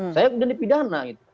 saya sudah dipidana